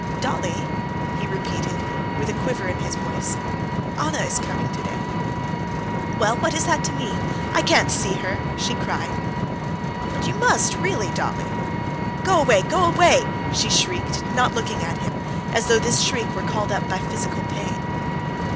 "Dolly!" he repeated, with a quiver in his voice. "Anna is coming today." "Well, what is that to me? I can't see her!" she cried. "But you must, really, Dolly...." "Go away, go away, go away!" she shrieked, not looking at him, as though this shriek were called up by physical pain.